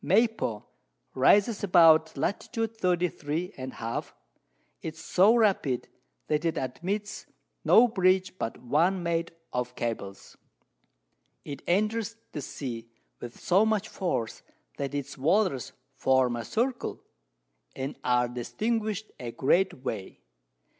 Maypo rises about Lat. 33 and a half. It is so rapid, that it admits no Bridge but one made of Cables; it enters the Sea with so much Force, that its Waters form a Circle, and are distinguished a great Way.